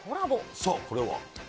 さあ、これは。